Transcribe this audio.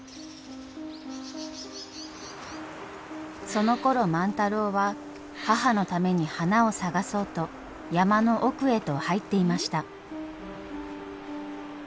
そのころ万太郎は母のために花を探そうと山の奥へと入っていました。